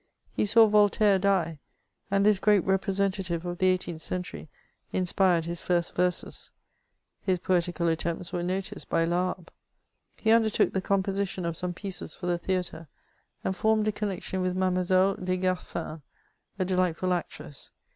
He saw Voltaire die, and this great re presentative of the eighteenth century inspired his first verses ; his poetical attempts were noticed by Laharpe. He undertook the composition of some pieces for the theatre^ and formed a connexion with Mademoiselle Desgarcins, a delightful actress.